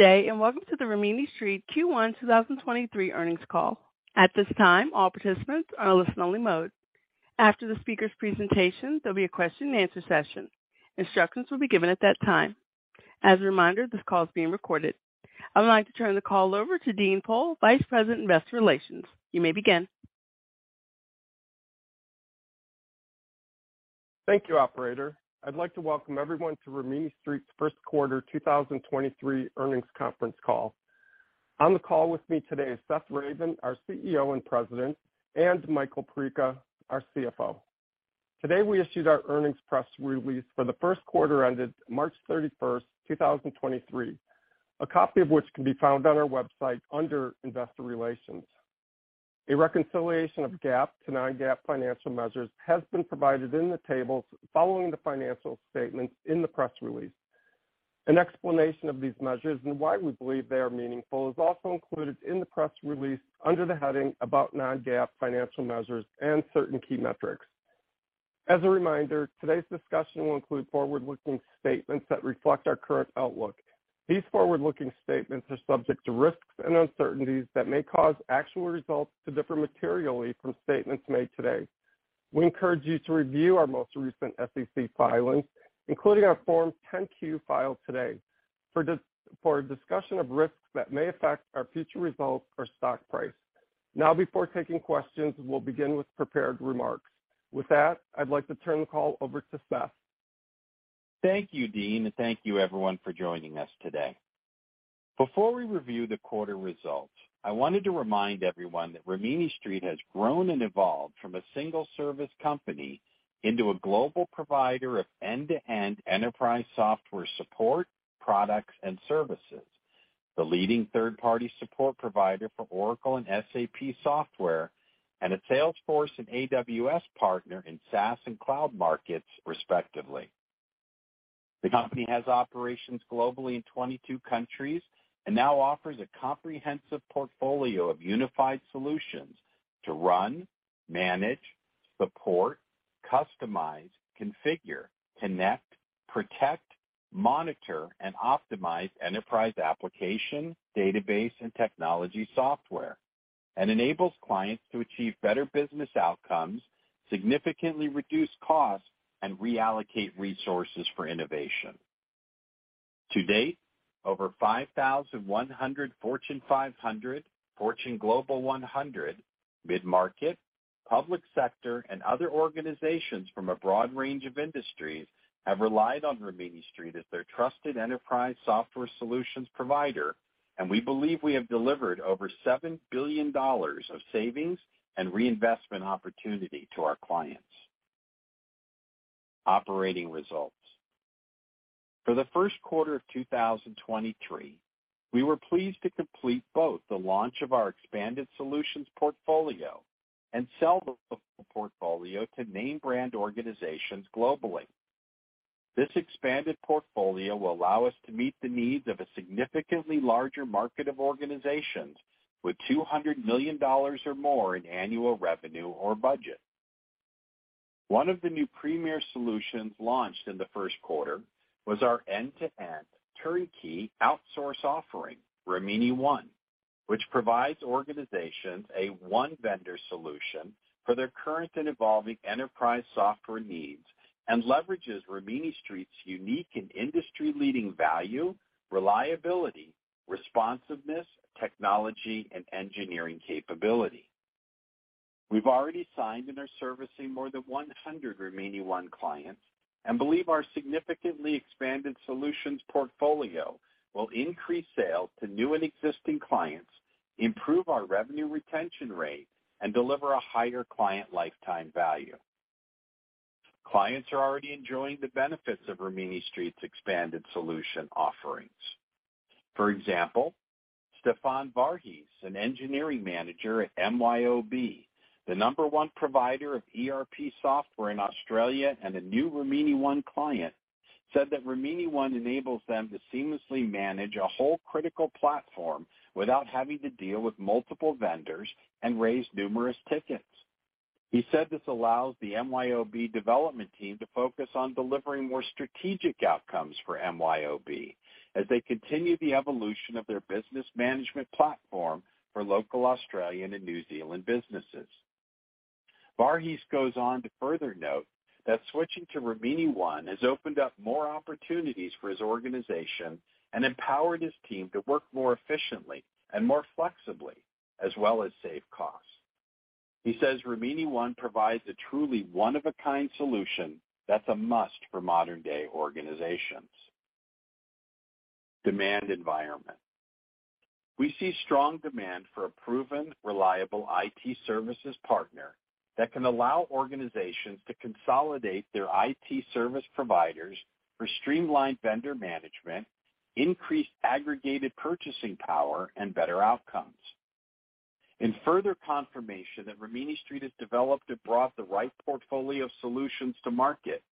Good day. Welcome to the Rimini Street Q1 2023 earnings call. At this time, all participants are in listen only mode. After the speaker's presentation, there'll be a question and answer session. Instructions will be given at that time. As a reminder, this call is being recorded. I would like to turn the call over to Dean Pohl, Vice President, Investor Relations. You may begin. Thank you operator. I'd like to welcome everyone to Rimini Street's first quarter 2023 earnings conference call. On the call with me today is Seth Ravin, our CEO and President, and Michael Perica, our CFO. Today, we issued our earnings press release for the first quarter ended March 31, 2023. A copy of which can be found on our website under Investor Relations. A reconciliation of GAAP to non-GAAP financial measures has been provided in the tables following the financial statements in the press release. An explanation of these measures and why we believe they are meaningful is also included in the press release under the heading About Non-GAAP Financial Measures and Certain Key Metrics. As a reminder, today's discussion will include forward-looking statements that reflect our current outlook. These forward-looking statements are subject to risks and uncertainties that may cause actual results to differ materially from statements made today. We encourage you to review our most recent SEC filings, including our form 10-Q filed today for a discussion of risks that may affect our future results or stock price. Before taking questions, we'll begin with prepared remarks. With that, I'd like to turn the call over to Seth. Thank you Dean, and thank you everyone for joining us today. Before we review the quarter results, I wanted to remind everyone that Rimini Street has grown and evolved from a single service company into a global provider of end-to-end enterprise software support, products and services, the leading third party support provider for Oracle and SAP software, and a Salesforce and AWS partner in SaaS and cloud markets, respectively. The company has operations globally in 22 countries and now offers a comprehensive portfolio of unified solutions to run, manage, support, customize, configure, connect, protect, monitor, and optimize enterprise application, database, and technology software, and enables clients to achieve better business outcomes, significantly reduce costs, and reallocate resources for innovation. To date, over 5,100 Fortune 500, Fortune Global 100 mid-market, public sector, and other organizations from a broad range of industries have relied on Rimini Street as their trusted enterprise software solutions provider. We believe we have delivered over $7 billion of savings and reinvestment opportunity to our clients. Operating results. For the first quarter of 2023, we were pleased to complete both the launch of our expanded solutions portfolio and sell the full portfolio to name brand organizations globally. This expanded portfolio will allow us to meet the needs of a significantly larger market of organizations with $200 million or more in annual revenue or budget. One of the new premier solutions launched in the first quarter was our end-to-end turnkey outsource offering, Rimini ONE, which provides organizations a one vendor solution for their current and evolving enterprise software needs and leverages Rimini Street's unique and industry-leading value, reliability, responsiveness, technology, and engineering capability. We've already signed and are servicing more than 100 Rimini ONE clients and believe our significantly expanded solutions portfolio will increase sales to new and existing clients, improve our revenue retention rate, and deliver a higher client lifetime value. Clients are already enjoying the benefits of Rimini Street's expanded solution offerings. For example, Stefan Vargheese, an Engineering Manager at MYOB, the number one provider of ERP software in Australia and a new Rimini ONE client, said that Rimini ONE enables them to seamlessly manage a whole critical platform without having to deal with multiple vendors and raise numerous tickets. He said this allows the MYOB development team to focus on delivering more strategic outcomes for MYOB as they continue the evolution of their business management platform for local Australian and New Zealand businesses. Vargheese goes on to further note that switching to Rimini ONE has opened up more opportunities for his organization and empowered his team to work more efficiently and more flexibly, as well as save costs. He says Rimini ONE provides a truly one of a kind solution that's a must for modern day organizations. Demand environment. We see strong demand for a proven, reliable IT services partner that can allow organizations to consolidate their IT service providers for streamlined vendor management, increased aggregated purchasing power, and better outcomes. In further confirmation that Rimini Street has developed and brought the right portfolio of solutions to market,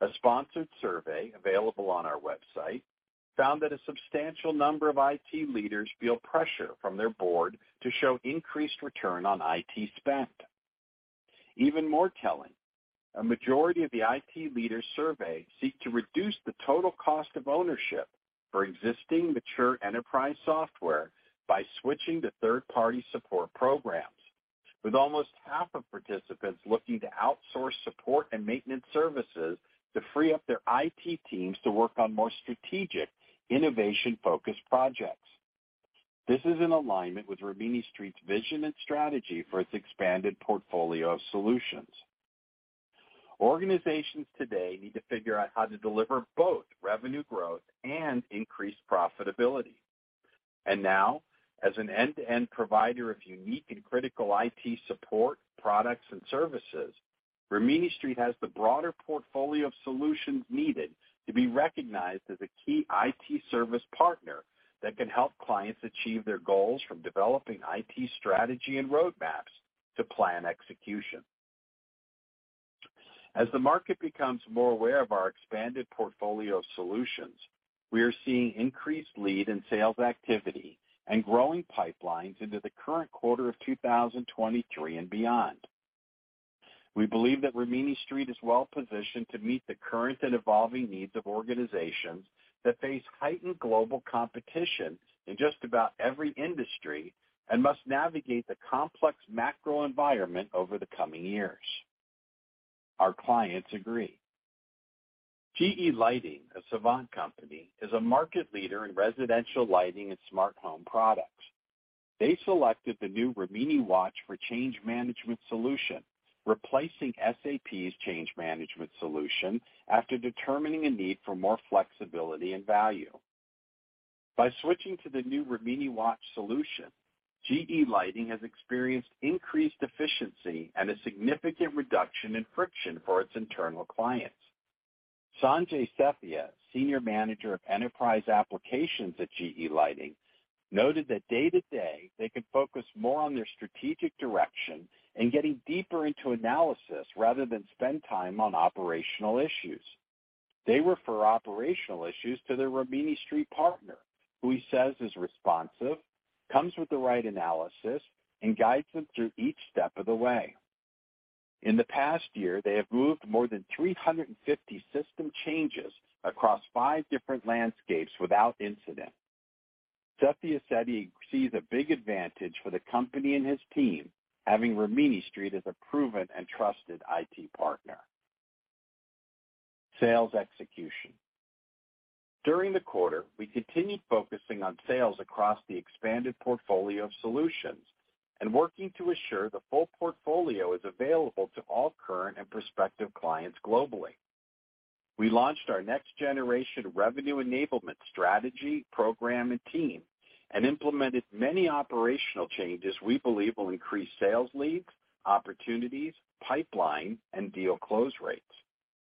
a sponsored survey available on our website found that a substantial number of IT leaders feel pressure from their board to show increased return on IT spend. Even more telling, a majority of the IT leaders surveyed seek to reduce the total cost of ownership for existing mature enterprise software by switching to third-party support programs, with almost half of participants looking to outsource support and maintenance services to free up their IT teams to work on more strategic, innovation-focused projects. This is in alignment with Rimini Street's vision and strategy for its expanded portfolio of solutions. Organizations today need to figure out how to deliver both revenue, and growth and increased profitability. Now, as an end-to-end provider of unique and critical IT support, products and services, Rimini Street has the broader portfolio of solutions needed to be recognized as a key IT service partner that can help clients achieve their goals, from developing IT strategy and roadmaps to plan execution. As the market becomes more aware of our expanded portfolio of solutions, we are seeing increased lead and sales activity and growing pipelines into the current quarter of 2023 and beyond. We believe that Rimini Street is well positioned to meet the current and evolving needs of organizations that face heightened global competition in just about every industry and must navigate the complex macro environment over the coming years. Our clients agree. GE Lighting, a Savant company, is a market leader in residential lighting and smart home products. They selected the new Rimini Watch for change management solution, replacing SAP's change management solution after determining a need for more flexibility and value. By switching to the new Rimini Watch solution, GE Lighting has experienced increased efficiency and a significant reduction in friction for its internal clients. Sanjay Sethia, Senior Manager of Enterprise Applications at GE Lighting, noted that day to day they could focus more on their strategic direction and getting deeper into analysis rather than spend time on operational issues. They refer operational issues to their Rimini Street partner, who he says is responsive, comes with the right analysis, and guides them through each step of the way. In the past year, they have moved more than 350 system changes across five different landscapes without incident. Sethia said he sees a big advantage for the company and his team having Rimini Street as a proven and trusted IT partner, Sales execution. During the quarter, we continued focusing on sales across the expanded portfolio of solutions and working to assure the full portfolio is available to all current and prospective clients globally. We launched our next generation revenue enablement strategy, program, and team and implemented many operational changes we believe will increase sales leads, opportunities, pipeline, and deal close rates,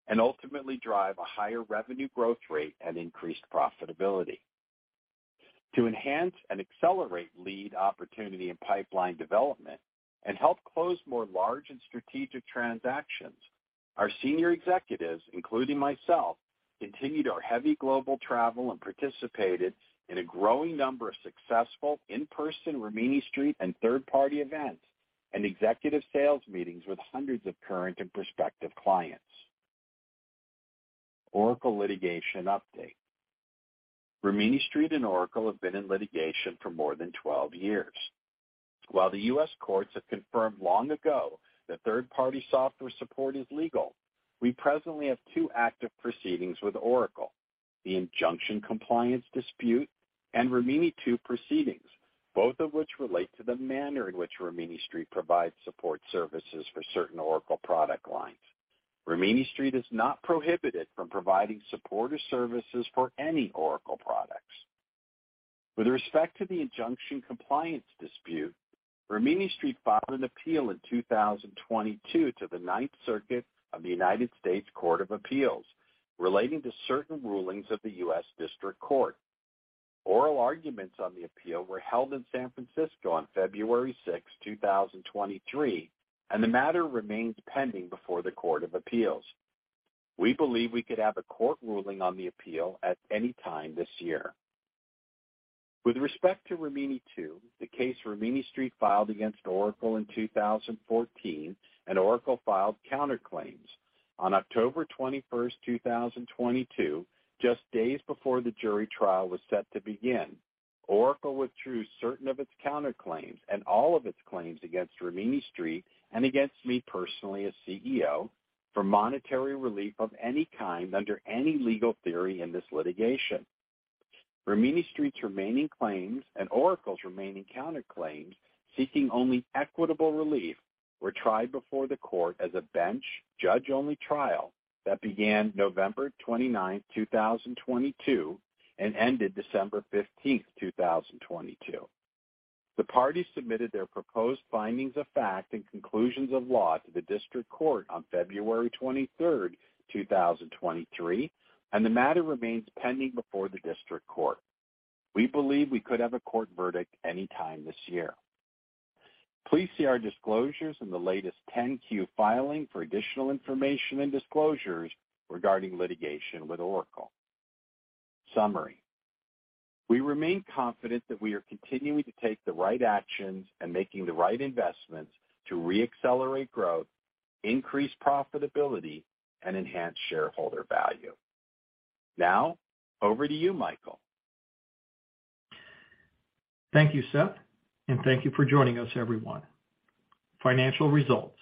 and ultimately drive a higher revenue growth rate and increased profitability. To enhance and accelerate lead opportunity and pipeline development and help close more large and strategic transactions, our senior executives, including myself, continued our heavy global travel and participated in a growing number of successful in-person Rimini Street and third-party events and executive sales meetings with hundreds of current and prospective clients. Oracle litigation update. Rimini Street and Oracle have been in litigation for more than 12 years. While the U.S. courts have confirmed long ago that third-party software support is legal, we presently have two active proceedings with Oracle, the injunction compliance dispute and Rimini II proceedings, both of which relate to the manner in which Rimini Street provides support services for certain Oracle product lines. Rimini Street is not prohibited from providing supportive services for any Oracle products. With respect to the injunction compliance dispute, Rimini Street filed an appeal in 2022 to the Ninth Circuit of the United States Court of Appeals relating to certain rulings of the U.S. District Court. Oral arguments on the appeal were held in San Francisco on February 6, 2023, and the matter remains pending before the Court of Appeals. We believe we could have a court ruling on the appeal at any time this year. With respect to Rimini II, the case Rimini Street filed against Oracle in 2014 and Oracle filed counterclaims. On October 21, 2022, just days before the jury trial was set to begin, Oracle withdrew certain of its counterclaims and all of its claims against Rimini Street, and against me personally as CEO, for monetary relief of any kind under any legal theory in this litigation. Rimini Street's remaining claims and Oracle's remaining counterclaims, seeking only equitable relief, were tried before the court as a bench judge-only trial that began November 29, 2022, and ended December 15, 2022. The parties submitted their proposed findings of fact and conclusions of law to the District Court on February 23rd, 2023, and the matter remains pending before the District Court. We believe we could have a court verdict any time this year. Please see our disclosures in the latest 10-Q filing for additional information and disclosures regarding litigation with Oracle. Summary. We remain confident that we are continuing to take the right actions and making the right investments to re-accelerate growth, increase profitability, and enhance shareholder value. Now over to you, Michael. Thank you Seth and thank you for joining us, everyone. Financial results.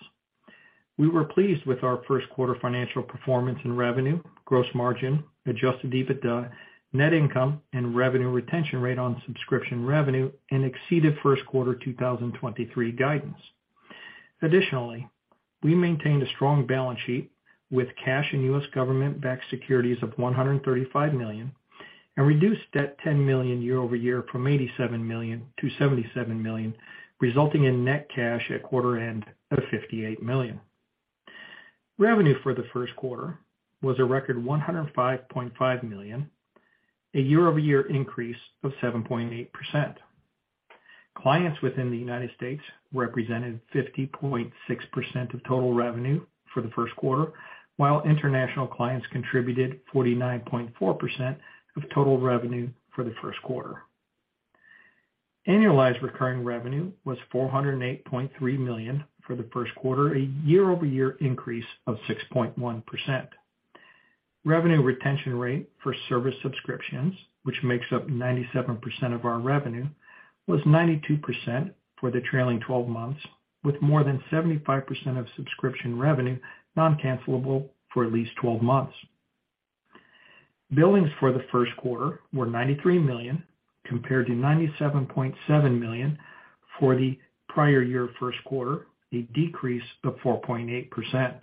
We were pleased with our first quarter financial performance in revenue, gross margin, adjusted EBITDA, net income, and revenue retention rate on subscription revenue, and exceeded first quarter 2023 guidance. Additionally, we maintained a strong balance sheet with cash and U.S. government-backed securities of $135 million and reduced debt $10 million year-over-year from $87 million to $77 million, resulting in net cash at quarter end of $58 million. Revenue for the first quarter was a record $105.5 million, a year-over-year increase of 7.8%. Clients within the United States represented 50.6% of total revenue for the first quarter, while international clients contributed 49.4% of total revenue for the first quarter. Annualized recurring revenue was $408.3 million for the first quarter, a year-over-year increase of 6.1%. Revenue retention rate for service subscriptions, which makes up 97% of our revenue, was 92% for the trailing 12 months, with more than 75% of subscription revenue non-cancellable for at least 12 months. Billings for the first quarter were $93 million compared to $97.7 million for the prior year first quarter, a decrease of 4.8%.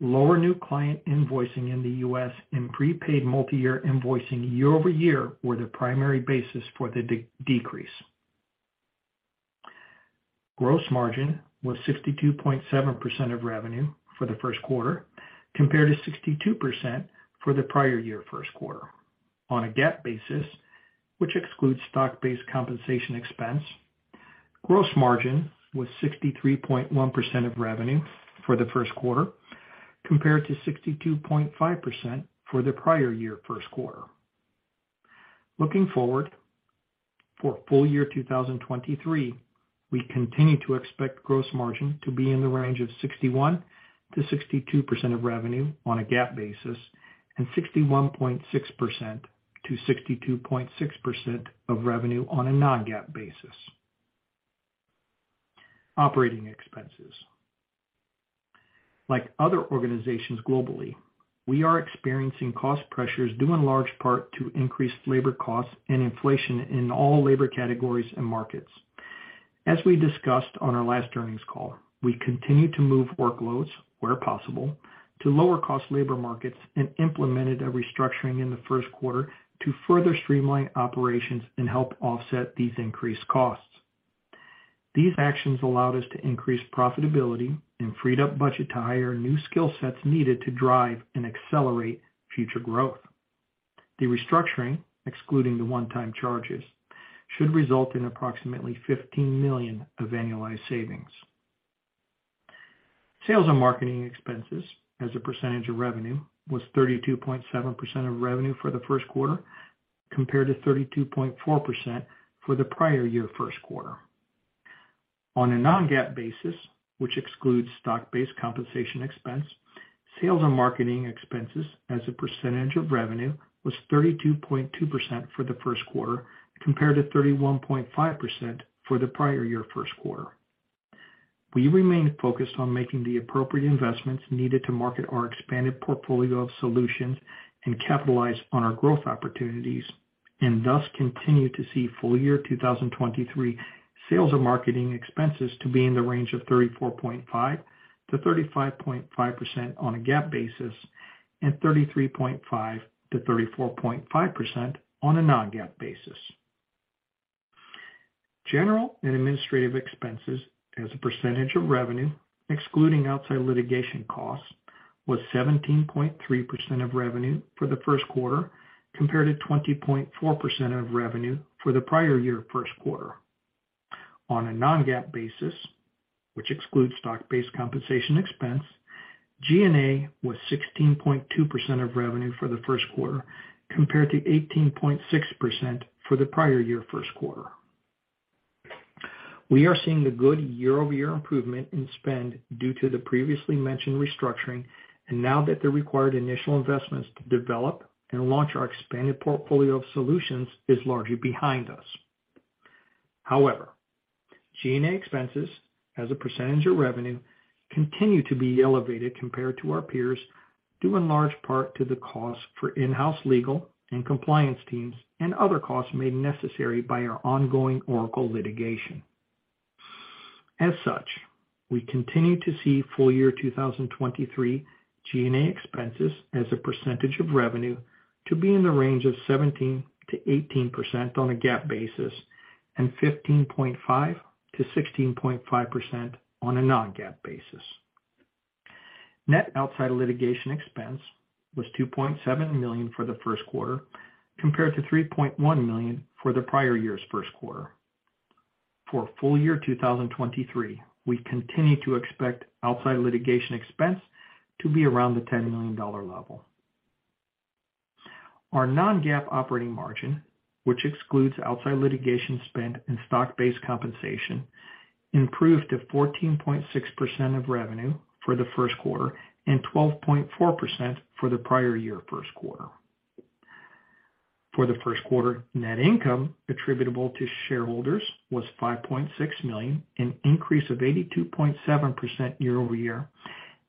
Lower new client invoicing in the U.S. and prepaid multi-year invoicing year-over-year were the primary basis for the decrease. Gross margin was 62.7% of revenue for the first quarter compared to 62% for the prior year first quarter. On a GAAP basis, which excludes stock-based compensation expense, gross margin was 63.1% of revenue for the first quarter compared to 62.5% for the prior year first quarter. Looking forward, for full year 2023, we continue to expect gross margin to be in the range of 61%-62% of revenue on a GAAP basis and 61.6%-62.6% of revenue on a non-GAAP basis. Operating expenses. Like other organizations globally, we are experiencing cost pressures due in large part to increased labor costs and inflation in all labor categories and markets. As we discussed on our last earnings call, we continue to move workloads where possible to lower cost labor markets and implemented a restructuring in the first quarter to further streamline operations and help offset these increased costs. These actions allowed us to increase profitability and freed up budget to hire new skill sets needed to drive and accelerate future growth. The restructuring, excluding the one-time charges, should result in approximately $15 million of annualized savings. Sales and marketing expenses as a percentage of revenue was 32.7% of revenue for the first quarter compared to 32.4% for the prior year first quarter. On a non-GAAP basis, which excludes stock-based compensation expense, sales and marketing expenses as a percentage of revenue was 32.2% for the first quarter compared to 31.5% for the prior year first quarter. We remain focused on making the appropriate investments needed to market our expanded portfolio of solutions and capitalize on our growth opportunities, and thus continue to see full year 2023 sales and marketing expenses to be in the range of 34.5%-35.5% on a GAAP basis, and 33.5%-34.5% on a non-GAAP basis. General and administrative expenses as a percentage of revenue excluding outside litigation costs was 17.3% of revenue for the first quarter compared to 20.4% of revenue for the prior year first quarter. On a non-GAAP basis, which excludes stock-based compensation expense, G&A was 16.2% of revenue for the first quarter compared to 18.6% for the prior year first quarter. We are seeing a good year-over-year improvement in spend due to the previously mentioned restructuring, and now that the required initial investments to develop and launch our expanded portfolio of solutions is largely behind us. However, G&A expenses as a percentage of revenue continue to be elevated compared to our peers, due in large part to the cost for in-house legal and compliance teams and other costs made necessary by our ongoing Oracle litigation. We continue to see full year 2023 G&A expenses as a percentage of revenue to be in the range of 17%-18% on a GAAP basis, and 15.5%-16.5% on a non-GAAP basis. Net outside litigation expense was $2.7 million for the first quarter compared to $3.1 million for the prior year's first quarter. For full year 2023, we continue to expect outside litigation expense to be around the $10 million level. Our non-GAAP operating margin, which excludes outside litigation spend and stock-based compensation, improved to 14.6% of revenue for the first quarter and 12.4% for the prior year first quarter. For the first quarter, net income attributable to shareholders was $5.6 million, an increase of 82.7% year-over-year,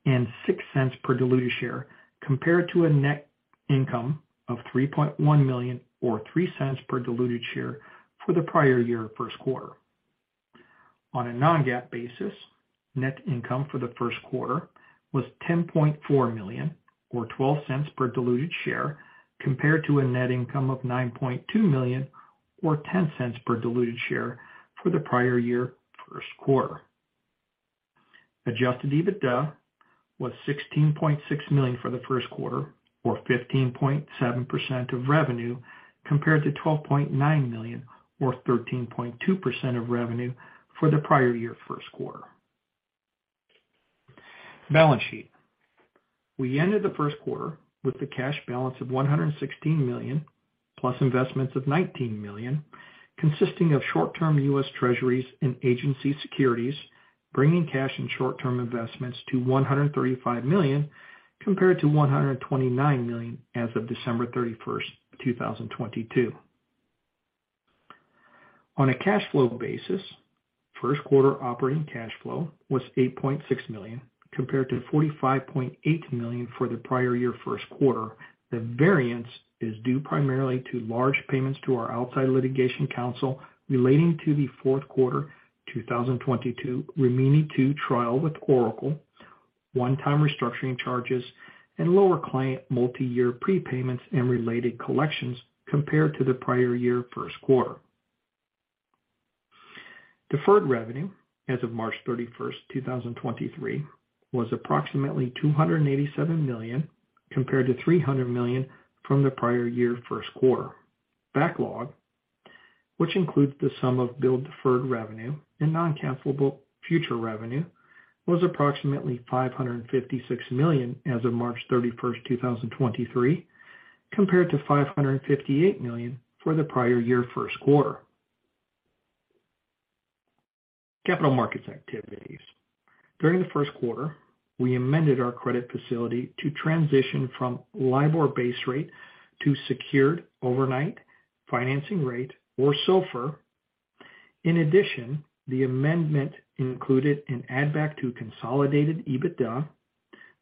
and 6 cents per diluted share compared to a net income of $3.1 million or three cents per diluted share for the prior year first quarter. On a non-GAAP basis, net income for the first quarter was $10.4 million or $0.12 per diluted share compared to a net income of $9.2 million or $0.10 per diluted share for the prior year first quarter. Adjusted EBITDA was $16.6 million for the first quarter or 15.7% of revenue compared to $12.9 million or 13.2% of revenue for the prior year first quarter. Balance sheet. We ended the first quarter with a cash balance of $116 million, plus investments of $19 million, consisting of short-term US Treasuries and agency securities, bringing cash and short-term investments to $135 million compared to $129 million as of December 31st, 2022. On a cash flow basis, first quarter operating cash flow was $8.6 million compared to $45.8 million for the prior year first quarter. The variance is due primarily to large payments to our outside litigation counsel relating to the fourth quarter 2022 Rimini II trial with Oracle, one-time restructuring charges, and lower client multiyear prepayments and related collections compared to the prior year first quarter. Deferred revenue as of March 31, 2023, was approximately $287 million compared to $300 million from the prior year first quarter. Backlog, which includes the sum of billed deferred revenue and non-cancelable future revenue, was approximately $556 million as of March 31, 2023, compared to $558 million for the prior year first quarter. Capital markets activities. During the first quarter, we amended our credit facility to transition from LIBOR base rate to Secured Overnight Financing Rate or SOFR. In addition, the amendment included an add back to consolidated EBITDA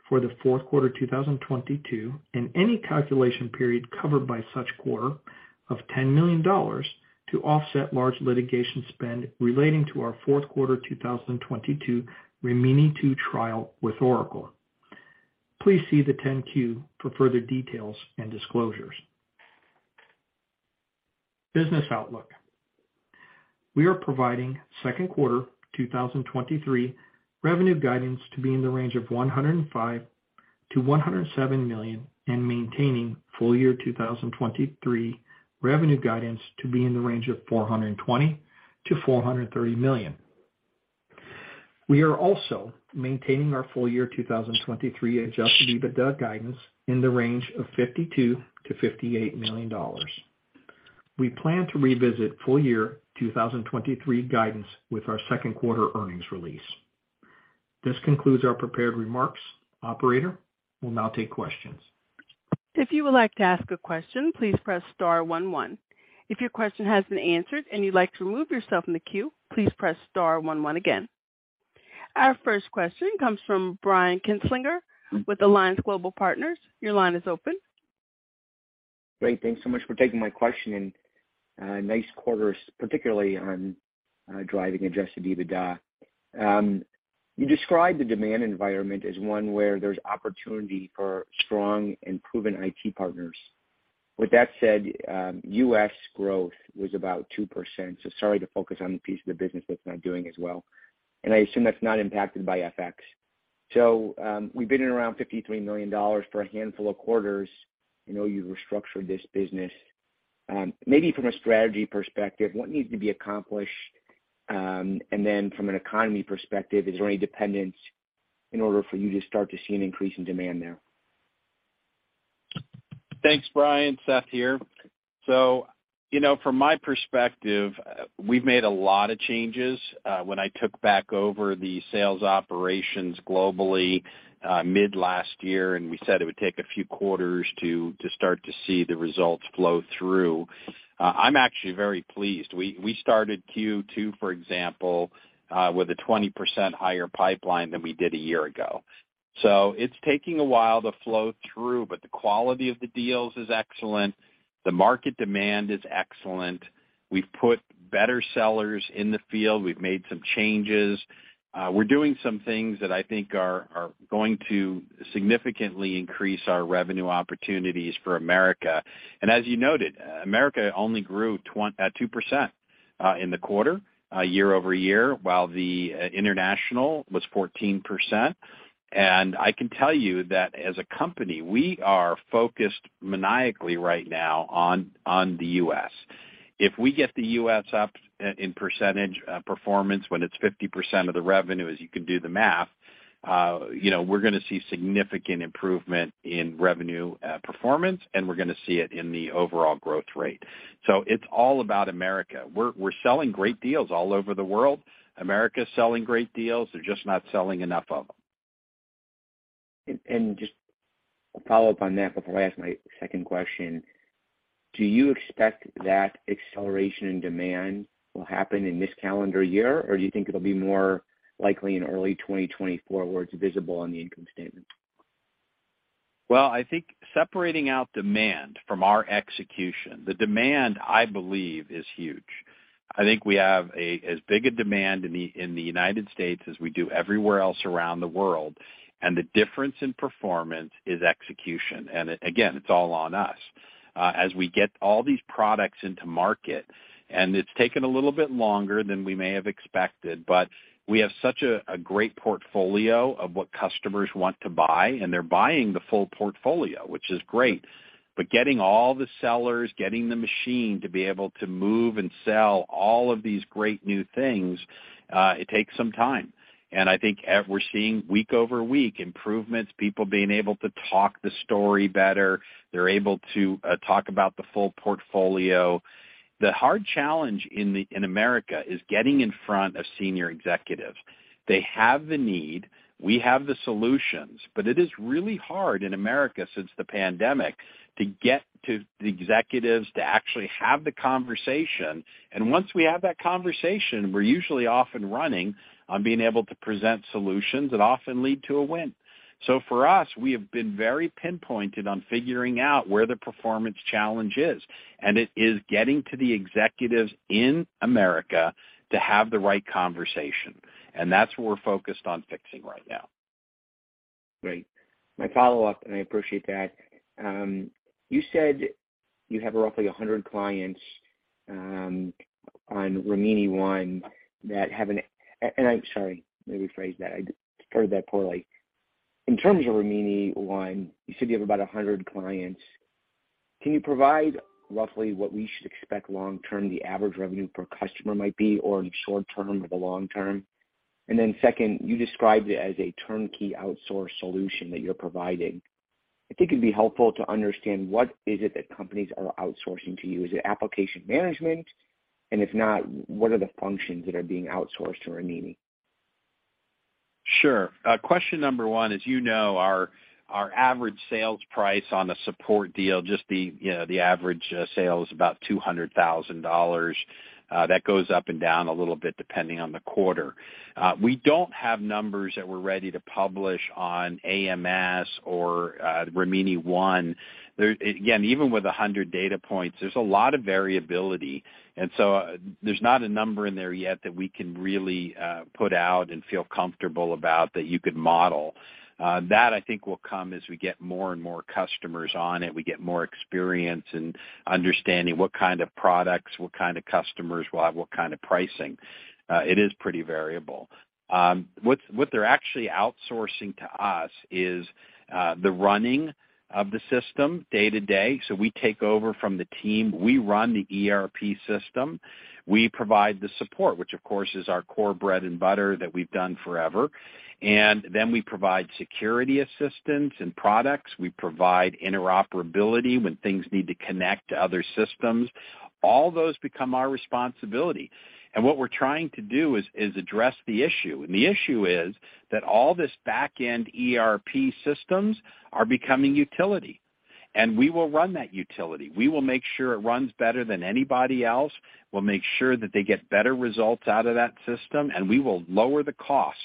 for the fourth quarter 2022, and any calculation period covered by such quarter of $10 million to offset large litigation spend relating to our fourth quarter 2022 Rimini II trial with Oracle. Please see the 10-Q for further details and disclosures. Business outlook. We are providing second quarter 2023 revenue guidance to be in the range of $105 million-$107 million and maintaining full year 2023 revenue guidance to be in the range of $420 million-$430 million. We are also maintaining our full year 2023 adjusted EBITDA guidance in the range of $52 million-$58 million. We plan to revisit full year 2023 guidance with our second quarter earnings release. This concludes our prepared remarks. Operator, we'll now take questions. If you would like to ask a question, please press star one one. If your question has been answered and you'd like to remove yourself from the queue, please press star one one again. Our first question comes from Brian Kinstlinger with Alliance Global Partners. Your line is open. Great. Thanks so much for taking my question, and nice quarters, particularly on driving adjusted EBITDA. You described the demand environment as one where there's opportunity for strong and proven IT partners. With that said, U.S. growth was about 2%. Sorry to focus on the piece of the business that's not doing as well, and I assume that's not impacted by FX. We've been at around $53 million for a handful of quarters. I know you've restructured this business. Maybe from a strategy perspective, what needs to be accomplished? Then from an economy perspective, is there any dependence in order for you to start to see an increase in demand there? Thanks, Brian. Seth here. You know, from my perspective, we've made a lot of changes when I took back over the sales operations globally mid last year, and we said it would take a few quarters to start to see the results flow through. I'm actually very pleased. We started Q2, for example, with a 20% higher pipeline than we did a year ago. It's taking a while to flow through, but the quality of the deals is excellent. The market demand is excellent. We've put better sellers in the field, We've made some changes. We're doing some things that I think are going to significantly increase our revenue opportunities for America. As you noted, America only grew at 2% in the quarter year-over-year, while the international was 14%. I can tell you that as a company, we are focused maniacally right now on the U.S. If we get the U.S. up in percentage performance when it's 50% of the revenue, as you can do the math, you know, we're gonna see significant improvement in revenue performance, and we're gonna see it in the overall growth rate. It's all about America. We're selling great deals all over the world. America is selling great deals. They're just not selling enough of them. Just a follow-up on that before I ask my second question. Do you expect that acceleration in demand will happen in this calendar year, or do you think it'll be more likely in early 2024, where it's visible on the income statement? Well, I think separating out demand from our execution, the demand, I believe, is huge. I think we have as big a demand in the United States as we do everywhere else around the world, and the difference in performance is execution. Again, it's all on us. As we get all these products into market, and it's taken a little bit longer than we may have expected, but we have such a great portfolio of what customers want to buy, and they're buying the full portfolio, which is great. Getting all the sellers, getting the machine to be able to move and sell all of these great new things, it takes some time. I think we're seeing week over week improvements, people being able to talk the story better. They're able to talk about the full portfolio. The hard challenge in America is getting in front of senior executives. They have the need, we have the solutions, but it is really hard in America since the pandemic to get to the executives to actually have the conversation, and once we have that conversation, we're usually off and running on being able to present solutions that often lead to a win. So for us, we have been very pinpointed on figuring out where the performance challenge is, and it is getting to the executives in America to have the right conversation, and that's what we're focused on fixing right now. Great. My follow-up, and I appreciate that. You said you have roughly 100 clients on Rimini ONE. I'm sorry, let me rephrase that. I heard that poorly. In terms of Rimini ONE, you said you have about 100 clients. Can you provide roughly what we should expect long term, the average revenue per customer might be, or in short term or the long term? And then Second, you described it as a turnkey outsource solution that you're providing. I think it'd be helpful to understand what is it that companies are outsourcing to you. Is it application management? If not, what are the functions that are being outsourced to Rimini? Sure. Question number one, as you know, our average sales price on a support deal, just the, you know, the average sale is about $200,000. That goes up and down a little bit depending on the quarter. We don't have numbers that we're ready to publish on AMS or Rimini ONE. Again, even with 100 data points, there's a lot of variability, and so there's not a number in there yet that we can really put out and feel comfortable about that you could model. That I think will come as we get more and more customers on it. We get more experience in understanding what kind of products, what kind of customers will have what kind of pricing. It is pretty variable. What they're actually outsourcing to us is the running of the system day to day, so we take over from the team. We run the ERP system. We provide the support, which of course is our core bread and butter that we've done forever, and then we provide security assistance and products, we provide interoperability when things need to connect to other systems. All those become our responsibility, and what we're trying to do is address the issue. The issue is that all this back-end ERP systems are becoming utility, and we will run that utility. We will make sure it runs better than anybody else. We'll make sure that they get better results out of that system, and we will lower the cost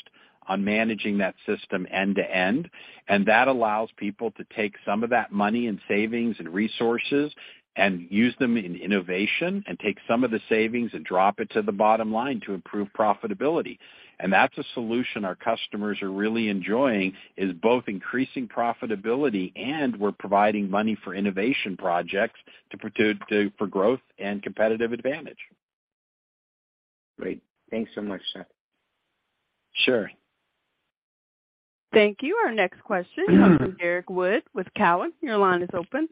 on managing that system end to end, and That allows people to take some of that money and savings and resources and use them in innovation and take some of the savings and drop it to the bottom line to improve profitability. That's a solution our customers are really enjoying, is both increasing profitability, and we're providing money for innovation projects for growth and competitive advantage. Great. Thanks so much, Seth. Sure. Thank you. Our next question comes from Derrick Wood with Cowen. Your line is open.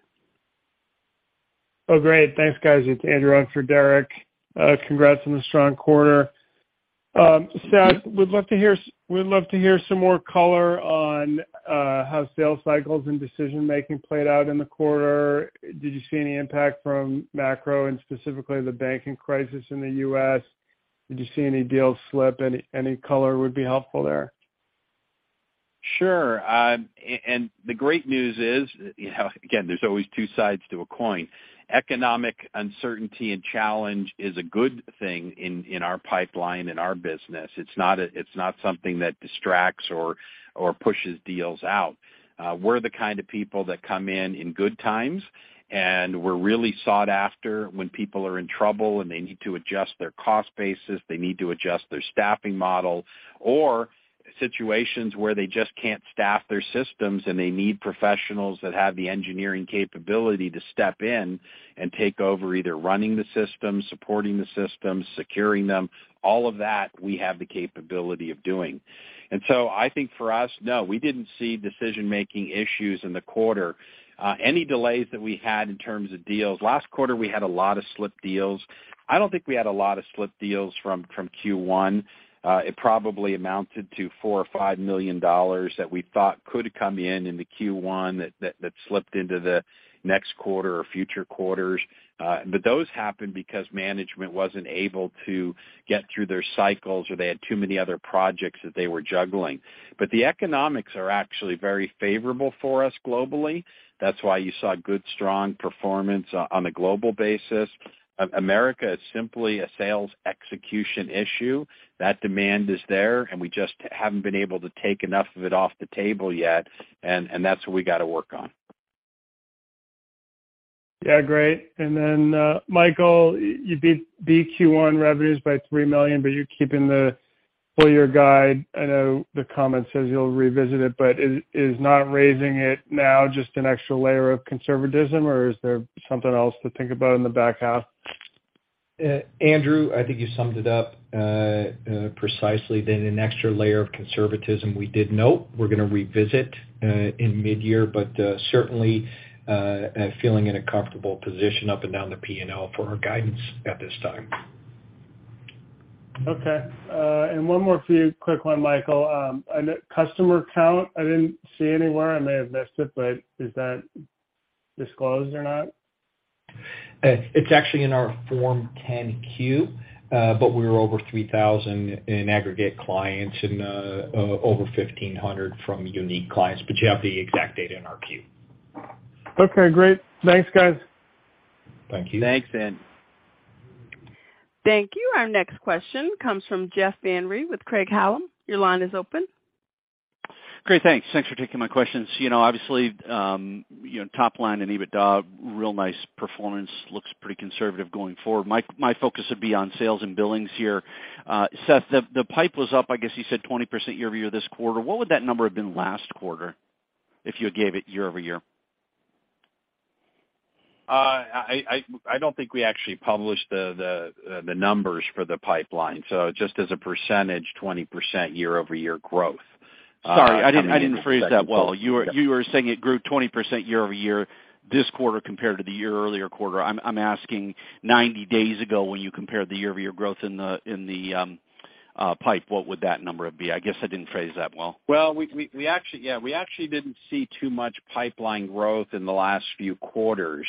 Great. Thanks guys. It's Andrew on for Derrick. Congrats on the strong quarter. Seth, we'd love to hear we'd love to hear some more color on how sales cycles and decision-making played out in the quarter. Did you see any impact from macro and specifically the banking crisis in the U.S.? Did you see any deals slip? Any color would be helpful there. Sure. The great news is, you know, again, there's always two sides to a coin. Economic uncertainty and challenge is a good thing in our pipeline, in our business. It's not something that distracts or pushes deals out. We're the kind of people that come in in good times, and we're really sought after when people are in trouble, and they need to adjust their cost basis, they need to adjust their staffing model, or situations where they just can't staff their systems, and they need professionals that have the engineering capability to step in and take over either running the systems, supporting the systems, securing them, all of that we have the capability of doing, and so I think for us, no, we didn't see decision-making issues in the quarter. Any delays that we had in terms of deals... Last quarter, we had a lot of slipped deals. I don't think we had a lot of slipped deals from Q1. It probably amounted to $4 million or $5 million that we thought could come in in the Q1 that slipped into the next quarter or future quarters. Those happened because management wasn't able to get through their cycles, or they had too many other projects that they were juggling. The economics are actually very favorable for us globally. That's why you saw good, strong performance on a global basis. America is simply a sales execution issue. That demand is there, and we just haven't been able to take enough of it off the table yet, and that's what we gotta work on. Yeah great, and then Michael, you beat Q1 revenues by $3 million, but you're keeping the full year guide. I know the comment says you'll revisit it, but is not raising it now just an extra layer of conservatism, or is there something else to think about in the back half? Andrew, I think you summed it up, precisely that an extra layer of conservatism we did note. We're gonna revisit, in mid-year, but, certainly, feeling in a comfortable position up and down the PNL for our guidance at this time. Okay. One more for you, quick one Michael. On the customer count, I didn't see anywhere, I may have missed it, but is that disclosed or not? It's actually in our Form 10-Q, but we were over 3,000 in aggregate clients and over 1,500 from unique clients, but you have the exact data in our Q. Okay, great. Thanks, guys. Thank you. Thanks, Andrew. Thank you. Our next question comes from Jeff Van Rhee with Craig-Hallum. Your line is open. Great Thanks. Thanks for taking my questions. You know, obviously, you know, top line and EBITDA, real nice performance, looks pretty conservative going forward. My focus would be on sales and billings here. Seth, the pipe was up, I guess you said 20% year-over-year this quarter. What would that number have been last quarter if you gave it year-over-year? I don't think we actually published the numbers for the pipeline, so just as a percentage, 20% year-over-year growth. Sorry, I didn't phrase that well. You were saying it grew 20% year-over-year this quarter compared to the year earlier quarter. I'm asking 90 days ago, when you compared the year-over-year growth in the pipe, what would that number be? I guess I didn't phrase that well. Well, we actually didn't see too much pipeline growth in the last few quarters.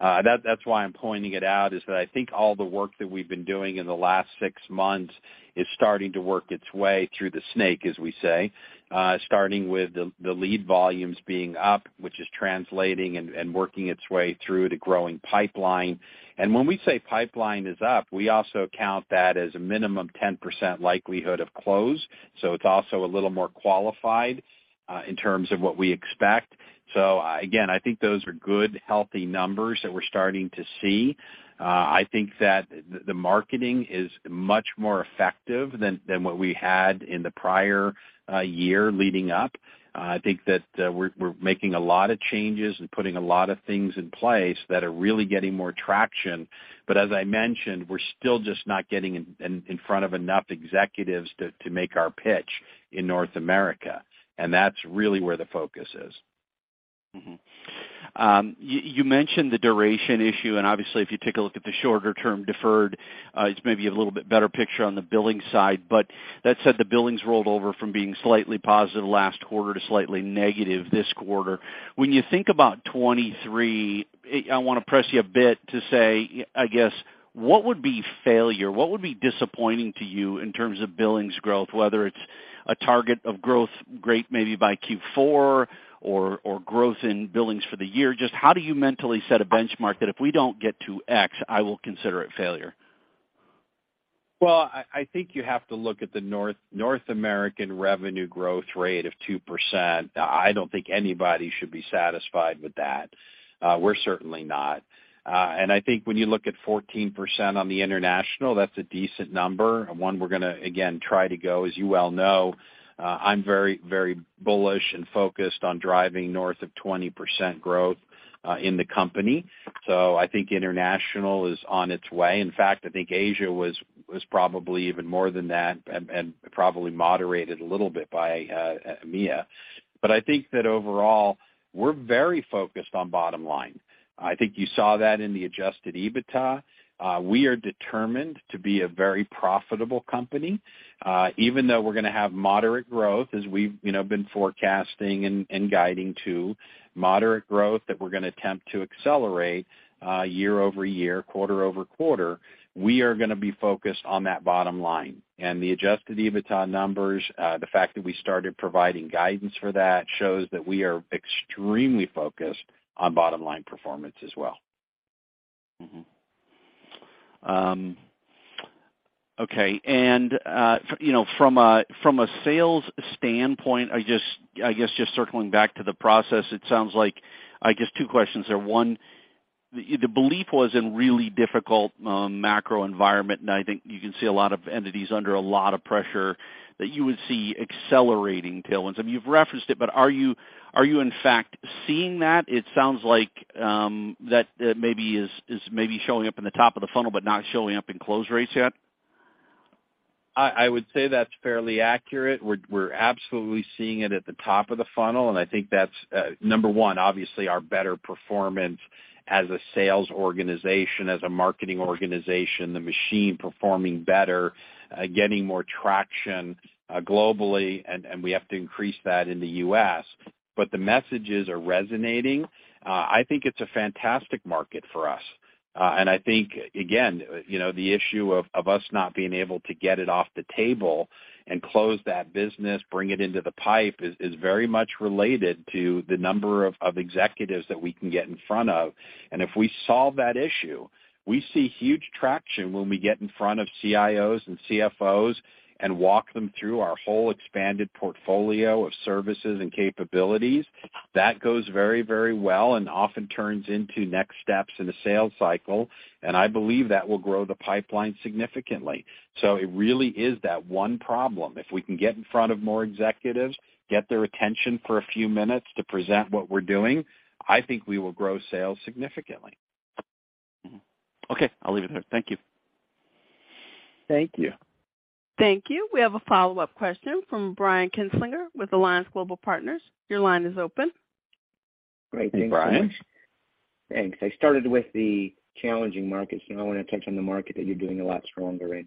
That's why I'm pointing it out is that I think all the work that we've been doing in the last six months is starting to work its way through the snake, as we say, starting with the lead volumes being up, which is translating and working its way through to growing pipeline. When we say pipeline is up, we also count that as a minimum 10% likelihood of close. It's also a little more qualified in terms of what we expect. Again, I think those are good healthy numbers that we're starting to see. I think that the marketing is much more effective than what we had in the prior year leading up. I think that, we're making a lot of changes and putting a lot of things in place that are really getting more traction. But as I mentioned, we're still just not getting in front of enough executives to make our pitch in North America. That's really where the focus is. You mentioned the duration issue. Obviously, if you take a look at the shorter term deferred, it's maybe a little bit better picture on the billing side. That said, the billings rolled over from being slightly positive last quarter to slightly negative this quarter. When you think about 2023, I wanna press you a bit to say, I guess, what would be failure? What would be disappointing to you in terms of billings growth, whether it's a target of growth, great maybe by Q4 or growth in billings for the year? Just how do you mentally set a benchmark that if we don't get to X, I will consider it failure? Well, I think you have to look at the North American revenue growth rate of 2%. I don't think anybody should be satisfied with that. We're certainly not and I think when you look at 14% on the international, that's a decent number and one we're gonna, again, try to go. As you well know, I'm very, very bullish and focused on driving north of 20% growth in the company. I think international is on its way. In fact, I think Asia was probably even more than that and probably moderated a little bit by EMEA. I think that overall, we're very focused on bottom line. I think you saw that in the adjusted EBITDA. We are determined to be a very profitable company. Even though we're gonna have moderate growth as we've, you know, been forecasting and guiding to moderate growth that we're gonna attempt to accelerate, year-over-year, quarter-over-quarter, we are gonna be focused on that bottom line. And the adjusted EBITDA numbers, the fact that we started providing guidance for that shows that we are extremely focused on bottom line performance as well. Okay, and you know, from a from a sales standpoint, I guess just circling back to the process, it sounds like, I guess two questions there. One, the belief was in really difficult macro environment, and I think you can see a lot of entities under a lot of pressure that you would see accelerating tailwinds. I mean, you've referenced it, but are you in fact seeing that? It sounds like that maybe is maybe showing up in the top of the funnel but not showing up in close rates yet. I would say that's fairly accurate. We're absolutely seeing it at the top of the funnel. I think that's number one, obviously our better performance as a sales organization, as a marketing organization, the machine performing better, getting more traction globally, and we have to increase that in the U.S. But the messages are resonating. I think it's a fantastic market for us. I think again, you know, the issue of us not being able to get it off the table and close that business, bring it into the pipe is very much related to the number of executives that we can get in front of and if we solve that issue, we see huge traction when we get in front of CIOs and CFOs and walk them through our whole expanded portfolio of services and capabilities. That goes very, very well and often turns into next steps in the sales cycle, and I believe that will grow the pipeline significantly. So it really is that one problem. If we can get in front of more executives, get their attention for a few minutes to present what we're doing, I think we will grow sales significantly. Mm-hmm. Okay, I'll leave it there. Thank you. Thank you. Thank you. We have a follow-up question from Brian Kinstlinger with Alliance Global Partners. Your line is open. Great. Thanks so much. Hey, Brian. Thanks. I started with the challenging markets. You know, I wanna touch on the market that you're doing a lot stronger in,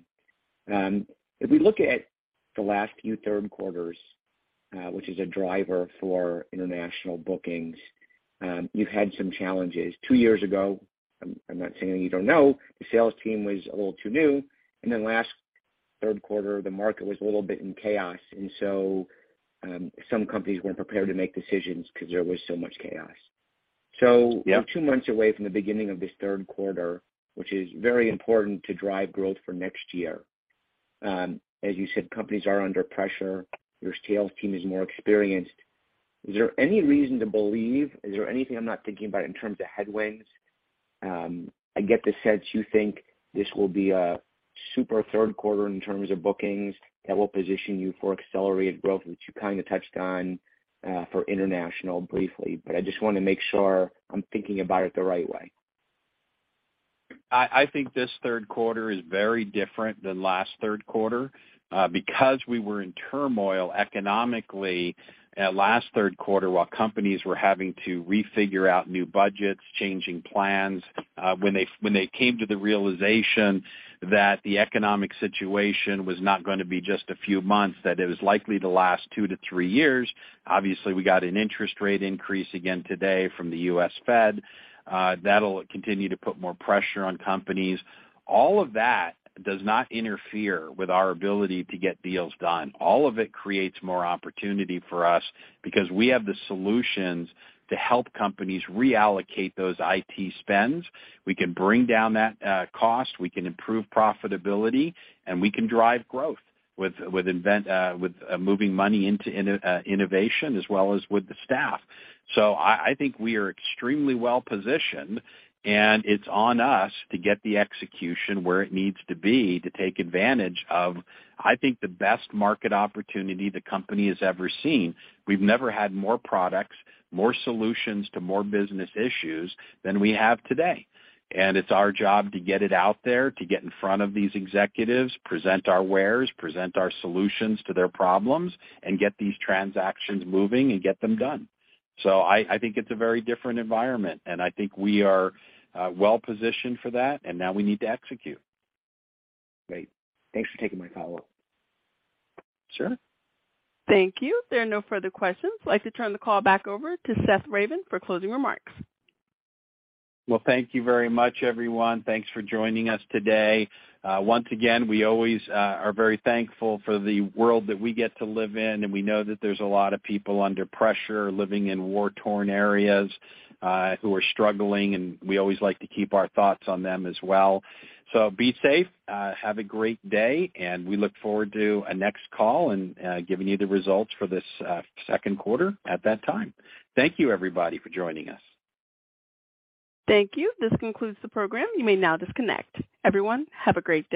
and if we look at the last few third quarters, which is a driver for international bookings, you've had some challenges. Two years ago, I'm not saying you don't know, the sales team was a little too new, and then last third quarter the market was a little bit in chaos and so, some companies weren't prepared to make decisions because there was so much chaos. Yeah. We're two months away from the beginning of this third quarter, which is very important to drive growth for next year. As you said, companies are under pressure. Your sales team is more experienced. Is there any reason to believe, is there anything I'm not thinking about in terms of headwinds? I get the sense you think this will be a super third quarter in terms of bookings that will position you for accelerated growth, which you kinda touched on for international briefly but I just wanna make sure I'm thinking about it the right way. I think this third quarter is very different than last third quarter, because we were in turmoil economically at last third quarter while companies were having to refigure out new budgets, changing plans, when they came to the realization that the economic situation was not gonna be just a few months, that it was likely to last two to three years. Obviously, we got an interest rate increase again today from the U.S. Fed, that'll continue to put more pressure on companies. All of that does not interfere with our ability to get deals done. All of it creates more opportunity for us because we have the solutions to help companies reallocate those IT spends. We can bring down that cost, we can improve profitability, and we can drive growth with moving money into innovation as well as with the staff. I think we are extremely well-positioned, and it's on us to get the execution where it needs to be to take advantage of, I think, the best market opportunity the company has ever seen. We've never had more products, more solutions to more business issues than we have today, and it's our job to get it out there, to get in front of these executives, present our wares, present our solutions to their problems, and get these transactions moving and get them done. I think it's a very different environment, and I think we are well positioned for that, and now we need to execute. Great. Thanks for taking my follow-up. Sure. Thank you. There are no further questions. I'd like to turn the call back over to Seth Ravin for closing remarks. Well, thank you very much, everyone. Thanks for joining us today. Once again, we always are very thankful for the world that we get to live in, and we know that there's a lot of people under pressure living in war-torn areas who are struggling, and we always like to keep our thoughts on them as well, so be safe. Have a great day, and we look forward to a next call and giving you the results for this second quarter at that time. Thank you everybody for joining us. Thank you. This concludes the program. You may now disconnect. Everyone, have a great day.